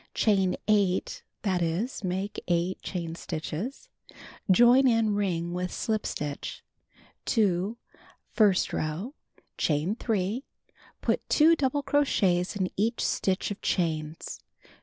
Chain 8; that is, make 8 chain stitches. Join in ring with slip stitch. 2. First row: Chain 3. Put 2 double crochets in each stitch of chains.